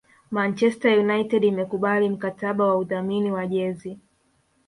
Manchester United imekubali mkataba wa udhamini wa jezi